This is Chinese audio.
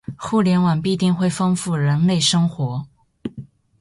互联网必定会丰富人类生活